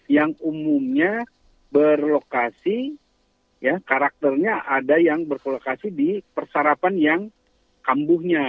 yang umumnya berlokasi karakternya ada yang bervokasi di persarapan yang kambuhnya